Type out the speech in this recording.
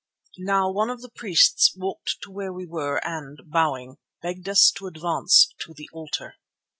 Now one of the priests walked to where we were and, bowing, begged us to advance to the altar.